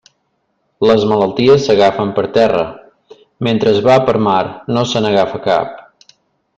Les malalties s'agafen per terra; mentre es va per mar no se n'agafa cap.